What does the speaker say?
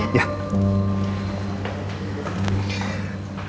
iya tunggu sebentar ya